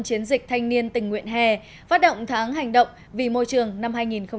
chiến dịch thanh niên tỉnh nguyện hè phát động tháng hành động vì môi trường năm hai nghìn một mươi bảy